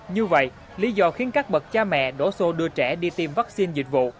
như vậy lý do khiến các bậc cha mẹ đổ xô đưa trẻ đi tiêm vaccine dịch vụ